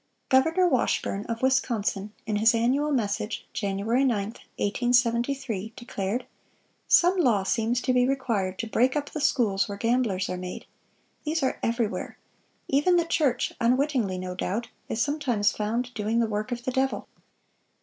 Governor Washburn, of Wisconsin, in his annual message, Jan. 9, 1873, declared: "Some law seems to be required to break up the schools where gamblers are made. These are everywhere. Even the church (unwittingly, no doubt) is sometimes found doing the work of the devil.